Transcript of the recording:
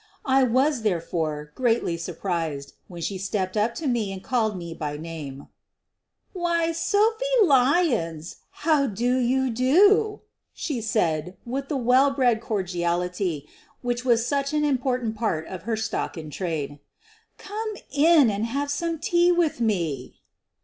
I was, therefore, greatly surprised when she stepped up to me and called me by name : 90 SOPHIE LYONS "Why, Sophie Lyons, how do you do?" she said, with the well bred cordiality which was such an im portant part of her stock in trade. "Come in and have some tea with me."